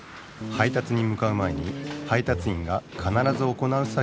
配達にむかう前に配達員がかならず行う作